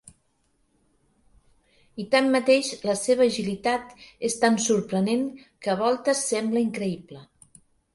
I tanmateix la seva agilitat és tan sorprenent que a voltes sembla increïble.